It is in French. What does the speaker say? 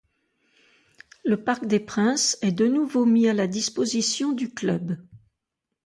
Le Parc des Princes est de nouveau mis à la disposition du club.